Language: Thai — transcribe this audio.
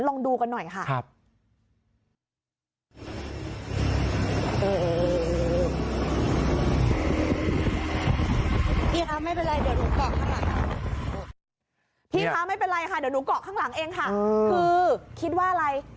ลองดูกันหน่อยค่ะพี่ค่ะไม่เป็นไรเดี๋ยวหนูเกาะข้างหลังเองค่ะคือคิดว่าอะไร